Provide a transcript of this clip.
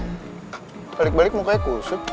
balik balik mukanya kusut